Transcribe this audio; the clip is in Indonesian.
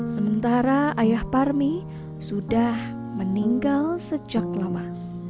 sementara ayah parmi sudah meninggal sejak lama